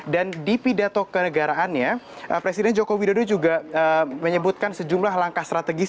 dan di pidato ke negaraannya presiden joko widodo juga menyebutkan sejumlah langkah strategis